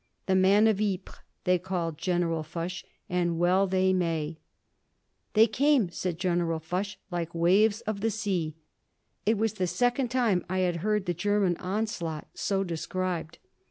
"The Man of Ypres," they call General Foch, and well they may. "They came," said General Foch, "like the waves of the sea." It was the second time I had heard the German onslaught so described.